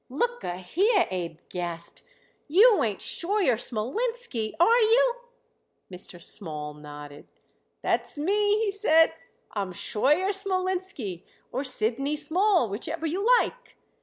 "Look a here!" Abe gasped. "You ain't Scheuer Smolinski, are you?" Mr. Small nodded. "That's me," he said. "I'm Scheuer Smolinski or Sidney Small, whichever you like.